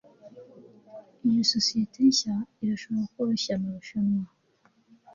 Iyo sosiyete nshya irashobora koroshya amarushanwa